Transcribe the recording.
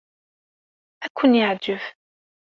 Ad ken-yeɛjeb.